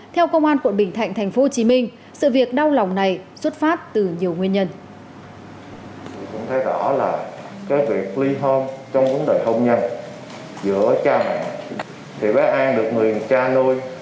theo công an tp hcm sự việc đau lòng này xuất phát từ nhiều nguyên nhân